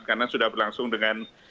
karena sudah berlangsung dengan